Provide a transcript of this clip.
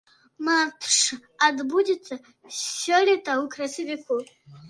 Матч адбудзецца сёлета ў красавіку.